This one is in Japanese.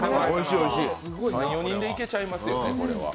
３４人でいけちゃいますよね。